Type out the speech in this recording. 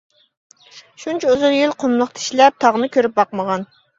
شۇنچە ئۇزۇن يىل قۇملۇقتا ئىشلەپ تاغنى كۆرۈپ باقمىغان.